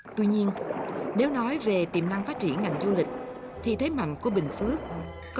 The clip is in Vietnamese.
tuy nhiên nếu nói về tiềm năng phát triển ngành du lịch thì thế mạnh của bình phước